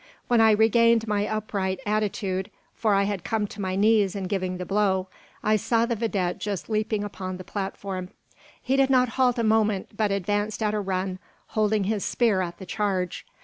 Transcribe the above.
When I regained my upright attitude (for I had come to my knees in giving the blow), I saw the vidette just leaping upon the platform. He did not halt a moment, but advanced at a run, holding his spear at the charge.